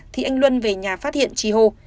thì anh luân về nhà phát hiện trì hô